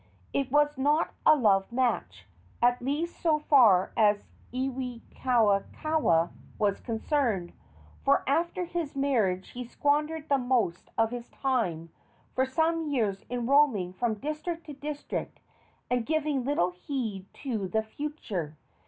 It was not a love match, at least so far as Iwikauikaua was concerned, for after his marriage he squandered the most of his time for some years in roaming from district to district and giving little heed to the future.